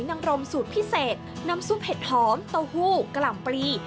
หอยนังรมสูตรพิเศษน้ำซุปเห็ดหอมโต้หู้กล่ำปลี